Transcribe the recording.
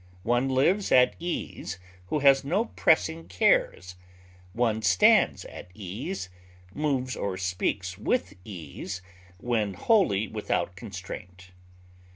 One lives at ease who has no pressing cares; one stands at ease, moves or speaks with ease, when wholly without constraint.